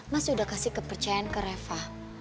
mas sudah kasih kepercayaan ke reva